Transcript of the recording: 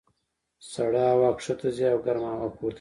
سړه هوا ښکته ځي او ګرمه هوا پورته کېږي.